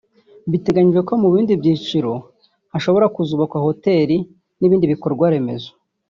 biteganyijwe ko mu bindi byiciro hashobora kuzubakwa hoteli n’ibindi bikorwa remezo